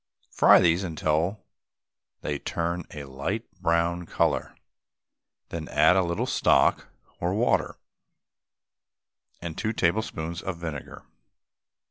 Fry these till they turn a light brown colour, then add a little stock or water, and two tablespoonfuls of vinegar.